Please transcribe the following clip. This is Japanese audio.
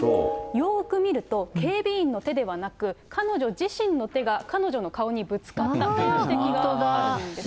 よーく見ると、警備員の手ではなく、彼女自身の手が彼女の顔にぶつかったという指摘があるんですね。